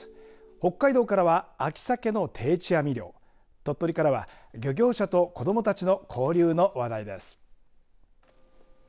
北海道からは、秋サケの定置網漁鳥取からは漁業者と子どもたちの交流の話題です。